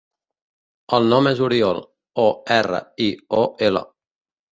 El nom és Oriol: o, erra, i, o, ela.